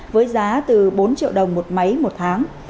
với giá từ bốn triệu đồng một máy một tháng